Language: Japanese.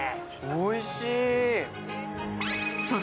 おいしい。